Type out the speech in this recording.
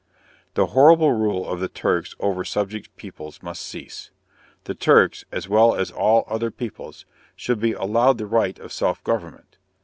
_ The horrible rule of the Turks over subject peoples must cease. The Turks, as well as all other peoples, should be allowed the right of self government.